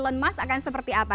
elon musk akan seperti apa